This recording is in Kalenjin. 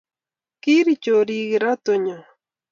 kiiri chorik kirato nyo